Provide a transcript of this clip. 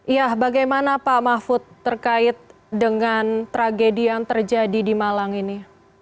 ya bagaimana pak mahfud terkait dengan tragedi yang terjadi di malang ini